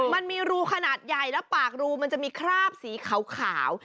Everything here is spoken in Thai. มันมีรูขนาดใหญ่แล้วปากรูมันจะมีคราบสีขาว